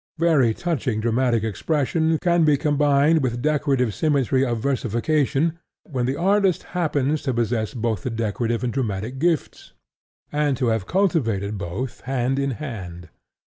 Very touching dramatic expression can be combined with decorative symmetry of versification when the artist happens to possess both the decorative and dramatic gifts, and to have cultivated both hand in hand.